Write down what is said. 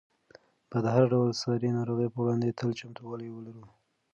باید د هر ډول ساري ناروغۍ په وړاندې تل چمتووالی ولرو.